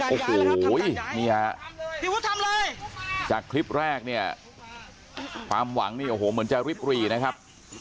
โอ้โหนี่ฮะจากคลิปแรกเนี่ยความหวังเนี่ยเหมือนจะริบรีนะครับ